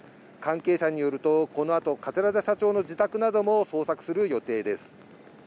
関係者によると、この後、桂田社長の自宅なども捜索する予定です。